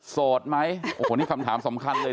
โสดไหมโอ้โหนี่คำถามสำคัญเลย